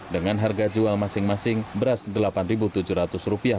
dengan harga jual masing masing beras rp delapan tujuh ratus